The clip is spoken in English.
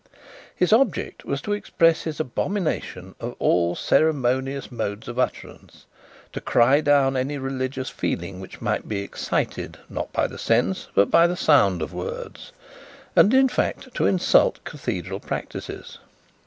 His object was to express his abomination of all ceremonious modes of utterance, to cry down any religious feeling which might be excited, not by the sense, but by the sound of words, and in fact to insult the cathedral practices.